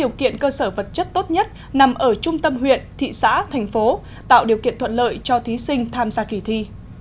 điều kiện cơ sở vật chất tốt nhất nằm ở trung tâm huyện thị xã thành phố tạo điều kiện thuận lợi cho thí sinh tham gia kỳ thi